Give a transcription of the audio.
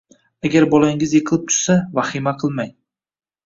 Agar bolangiz yiqilib tushsa, vahima qilmang.